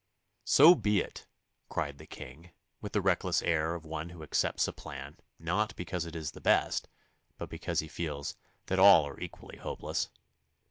'So be it!' cried the King, with the reckless air of one who accepts a plan, not because it is the best, but because he feels that all are equally hopeless.